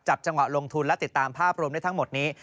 จังหวะลงทุนและติดตามภาพรวมได้ทั้งหมดนี้